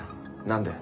何で？